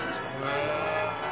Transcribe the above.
へえ。